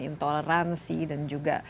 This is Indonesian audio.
intoleransi dan juga